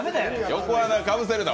横穴、かぶせるな。